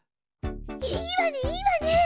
いいわねいいわね！